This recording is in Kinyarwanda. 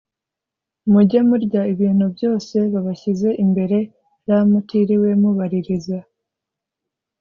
mujye murya ibintu byose babashyize imbere r mutiriwe mubaririza